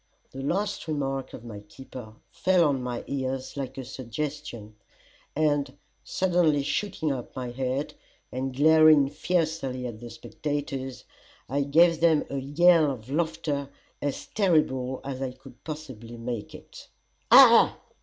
The last remark of my keeper fell on my ears like a suggestion, and suddenly shooting up my head, and glaring fiercely at the spectators, I gave them a yell of laughter as terrible as I could possibly make it. "Ah!"